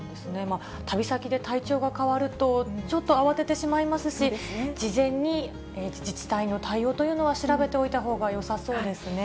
旅先で体調が変わると、ちょっと慌ててしまいますし、事前に自治体の対応というのは調べておいたほうがよさそうですね。